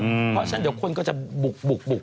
เพราะฉะนั้นเดี๋ยวคนก็จะบุก